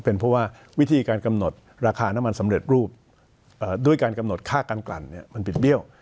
เป็นเพราะว่าวิธีการกำหนดราคาน้ำมันสำเร็จรูปด้วยการกำหนดค่ากันกลั่นมันบิดเบี้ยว